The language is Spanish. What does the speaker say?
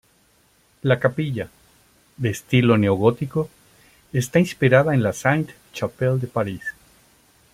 La capilla, de estilo neogótico, está inspirada en la Sainte Chapelle de París.